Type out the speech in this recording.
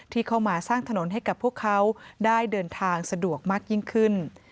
ที่เข้ามาสร้างถนนให้กับพวกเขาได้เดินทางสะดวกมากยิ่งขึ้น